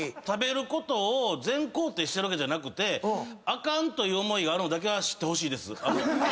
食べることを全肯定してるわけじゃなくてあかんという思いがあるのだけは知ってほしいです。